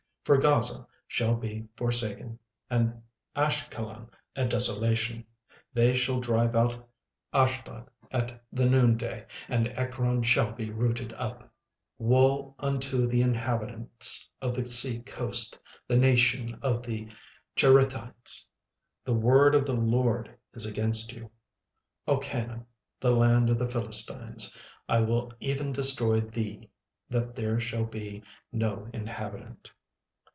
36:002:004 For Gaza shall be forsaken, and Ashkelon a desolation: they shall drive out Ashdod at the noon day, and Ekron shall be rooted up. 36:002:005 Woe unto the inhabitants of the sea coast, the nation of the Cherethites! the word of the LORD is against you; O Canaan, the land of the Philistines, I will even destroy thee, that there shall be no inhabitant.